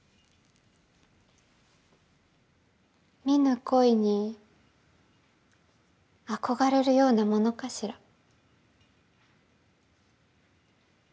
見ぬ恋にあこがれるようなものかしら。